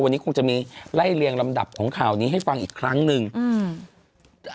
วันนี้คงจะมีไล่เลียงลำดับของข่าวนี้ให้ฟังอีกครั้งหนึ่งอืม